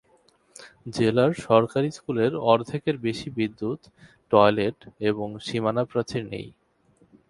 জেলার সরকারি স্কুলের অর্ধেকের বেশি বিদ্যুৎ, টয়লেট এবং সীমানা প্রাচীর নেই।